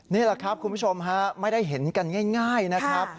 นี่แหละครับคุณผู้ชมฮะไม่ได้เห็นกันง่ายนะครับ